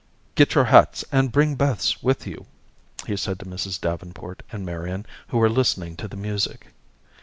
"Get your hats, and bring Beth's with you," he said to Mrs. Davenport and Marian who were listening to the music.